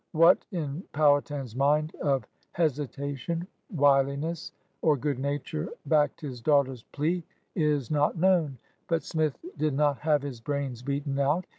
...' What, in Powhatan's mind, of hesitation, wili ness, or good nature backed his daughter's plea is not known. But Smith did not have his brains beaten out.